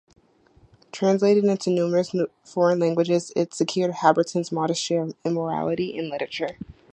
Translated into numerous foreign languages, it secured Habberton's modest share of immortality in literature.